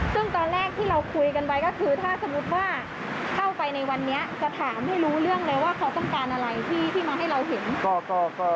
ซึ่งตอนแรกที่เราคุยกันไว้ก็คือถ้าสมมุติว่าเข้าไปในวันนี้จะถามให้รู้เรื่องเลยว่าเขาต้องการอะไรที่มาให้เราเห็น